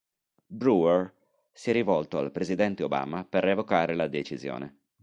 Brewer si è rivolto al presidente Obama per revocare la decisione.